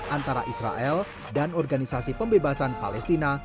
antara israel dan organisasi pembebasan palestina